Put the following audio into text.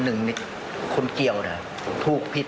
มันมีโอกาสเกิดอุบัติเหตุได้นะครับ